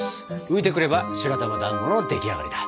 浮いてくれば白玉だんごの出来上がりだ！